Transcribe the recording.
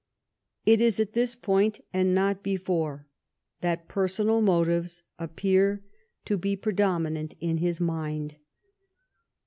It is at this point, and not before, that personal motives appear to be predo* minant in his mind.